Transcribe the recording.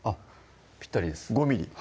ぴったりです５ｍｍ？